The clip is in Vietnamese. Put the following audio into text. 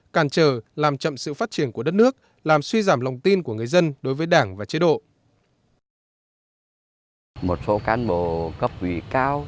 càn trở làm chậm sự phát triển của đất nước làm suy giảm lòng tin của người dân đối với đảng và chế độ